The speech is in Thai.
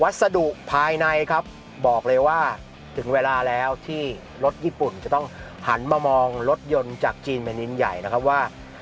สรุปภายในครับบอกเลยว่าถึงเวลาแล้วที่รถญี่ปุ่นจะต้องหันมามองรถยนต์จากจีนไปนิดใหญ่นะครับว่า